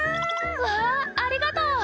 わー、ありがとう。